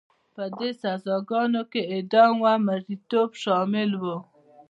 په دې سزاګانو کې اعدام او مریتوب شامل وو.